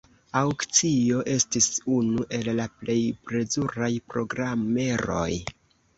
Aŭkcio estis unu el la plej plezuraj programeroj.